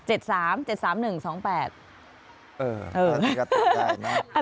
เออน่าจะกระตุกได้มาก